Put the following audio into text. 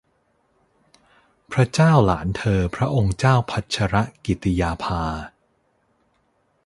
พระเจ้าหลานเธอพระองค์เจ้าพัชรกิติยาภา